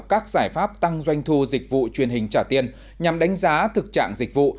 các giải pháp tăng doanh thu dịch vụ truyền hình trả tiền nhằm đánh giá thực trạng dịch vụ